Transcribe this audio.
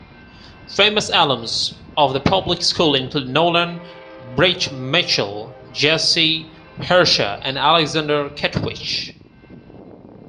Famous alums of the public school include Nolan Bright-Mitchel, Jesse Hersha, and Alexander Kettwich.